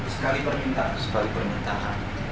sekali permintaan sekali permintaan